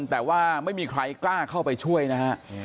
แต่ว่าไม่มีใครกล้าเข้าไปช่วยนะฮะ